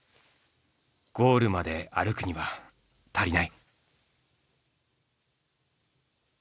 ゴールまで歩くには足りない。